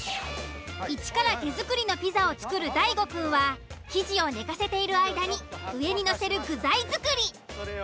イチから手作りのピザを作る大悟くんは生地を寝かせている間に上にのせる具材作り。